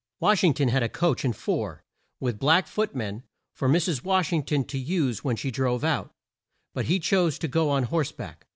Wash ing ton had a coach and four, with black foot men, for Mrs. Wash ing ton to use when she drove out; but he chose to go on horse back.